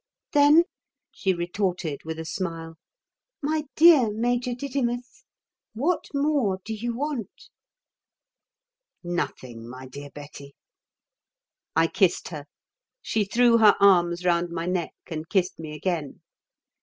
"Then," she retorted with a smile, "my dear Major Didymus, what more do you want?" "Nothing, my dear Betty." I kissed her. She threw her arms round my neck and kissed me again.